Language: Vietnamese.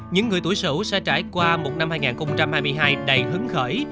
những người tuổi sử sẽ trải qua một năm hai nghìn hai mươi hai đầy hứng khởi